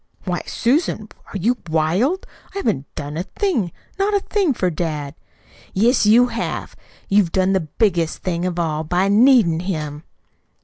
"Why, Susan, are you wild? I haven't done a thing, not a thing for dad." "Yes, you have. You've done the biggest thing of all by NEEDIN' him."